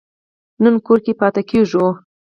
نن کور کې پاتې کیږو